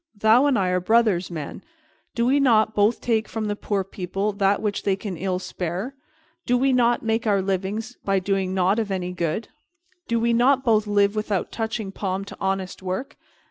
Thou and I are brothers, man. Do we not both take from the poor people that which they can ill spare? Do we not make our livings by doing nought of any good? Do we not both live without touching palm to honest work?